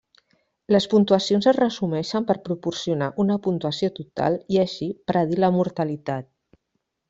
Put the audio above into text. Les puntuacions es resumeixen per proporcionar una puntuació total i així predir la mortalitat.